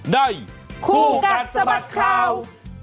ได้ครูกัดสมัครข่าว